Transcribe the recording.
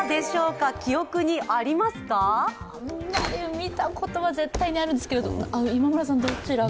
見たことは絶対にあるんですけど、今村さん、どちらか。